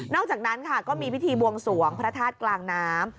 อกจากนั้นค่ะก็มีพิธีบวงสวงพระธาตุกลางน้ำ